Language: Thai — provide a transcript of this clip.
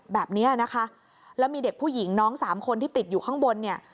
แบบนี้นะคะแล้วมีเด็กผู้หญิงน้องสามคนที่ติดอยู่ข้างบนเนี่ย